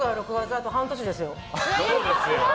あと半年ですよ。